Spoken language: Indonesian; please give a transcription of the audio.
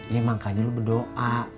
ya makanya lo berdoa